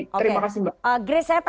terima kasih mbak